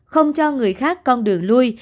không cho người khác con đường lui